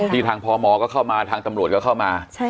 ทางพมก็เข้ามาทางตำรวจก็เข้ามา